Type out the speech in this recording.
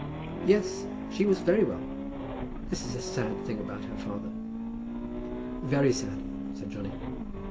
"Yes, she was very well. This is a sad thing about her father." "Very sad," said Johnny.